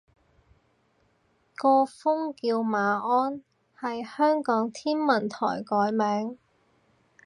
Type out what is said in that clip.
個風叫馬鞍，係香港天文台改名